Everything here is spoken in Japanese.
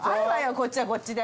こっちはこっちで。